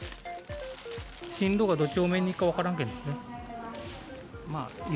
進路がどっち方面に行くか分からんけんですね。